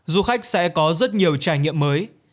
du khách sẽ có rất nhiều trải nghiệm mới